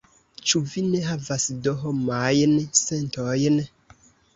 Ĉu vi ne havas do homajn sentojn?